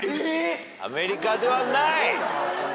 アメリカではない！